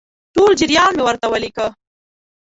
ټول جریان مې ورته ولیکه.